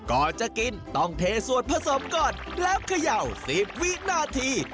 ก่อนจะกินต้องเทส่วนผสมก่อนแล้วเขย่า๑๐วินาที